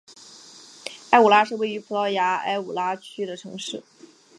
埃武拉是位于葡萄牙埃武拉区的城市。